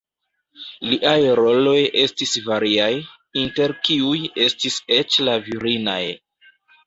Liaj roloj estis variaj, inter kiuj estis eĉ la virinaj.